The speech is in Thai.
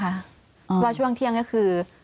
เพราะว่าช่วงเที่ยงก็คือ